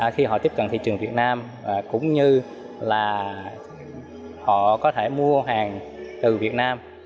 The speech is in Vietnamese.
khi họ tiếp cận thị trường việt nam cũng như là họ có thể mua hàng từ việt nam